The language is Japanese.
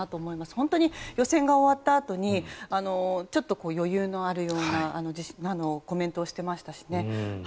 本当に予選が終わったあとに余裕があるようなコメントをしていましたしね。